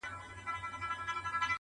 په شل ځله د دامونو د شلولو؛